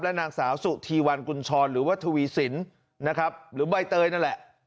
นางสาวสุธีวันกุญชรหรือว่าทวีสินนะครับหรือใบเตยนั่นแหละ